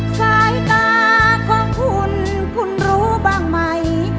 สายตาของคุณคุณรู้บ้างไหม